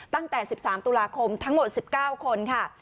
ตั้งแต่๑๓ตุลาคมทั้งหมด๑๙คนค่ะ